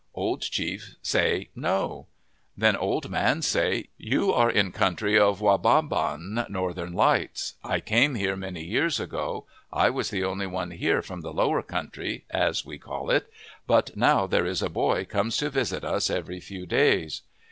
" Old Chief say, < No/ "Then old man say, 'You are in country of Wa ba ban, Northern Lights. I came here many years ago. I was the only one here from the " Lower Country" as we call it; but now there is a boy comes to visit us every few days.'